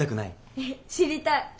えっ知りたい。